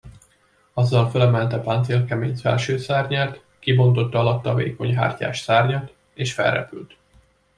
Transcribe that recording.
Azzal fölemelte páncélkemény felső szárnyát, kibontotta alatta a vékony hártyás szárnyat, és felrepült.